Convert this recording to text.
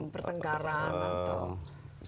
pertengkaran atau ya misalnya